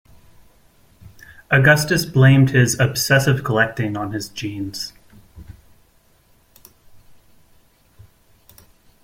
Augustus blamed his obsessive collecting on his genes.